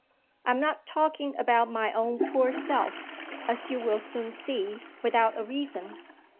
I am not talking about my own poor self (as you will soon see) without a reason.